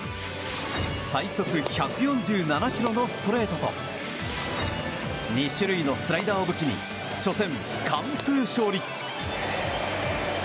最速１４７キロのストレートと２種類のスライダーを武器に初戦、完封勝利！